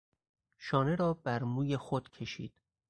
شانه را بر موی خود کشید.